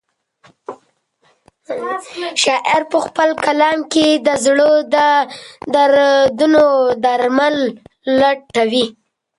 شاعر په خپل کلام کې د زړه د دردونو درمل لټوي.